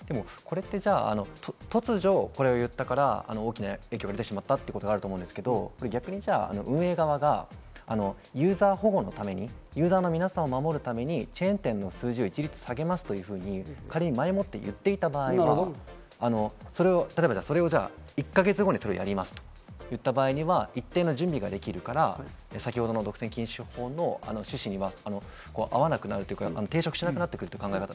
これって突如これをいったから大きな影響が出てしまったっていうことがあると思うんですけど、逆に運営側がユーザー保護のために、ユーザーの皆さんを守るためにチェーン店の数字を一律下げますというふうに、仮に前もって言っていた場合、例えばそれを１か月後にやりますと、言った場合には一定の準備ができるから、先ほどの独占禁止法の趣旨に合わなくなる、抵触しなくなる。